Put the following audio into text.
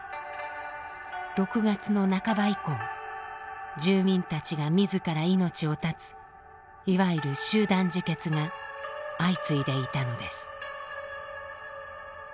６月の半ば以降住民たちがみずから命を絶ついわゆる集団自決が相次いでいたのです。